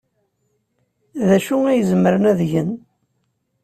D acu ay zemren ad gen?